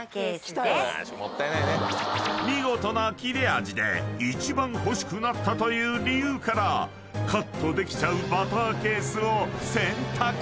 ［見事な切れ味で一番欲しくなったという理由からカットできちゃうバターケースを選択］